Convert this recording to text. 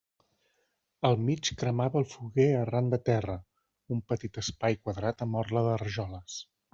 Al mig cremava el foguer arran de terra: un petit espai quadrat amb orla de rajoles.